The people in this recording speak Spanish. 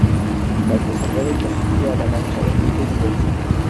La artesanía de Castilla-La Mancha es rica y diversa.